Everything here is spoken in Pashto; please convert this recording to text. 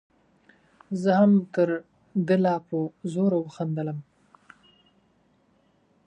زه هم تر ده لا په زوره وخندلم.